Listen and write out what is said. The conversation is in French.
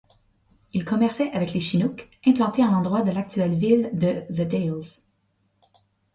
Ils commerçaient avec les Chinooks, implantés à l’endroit de l’actuelle ville de The Dalles.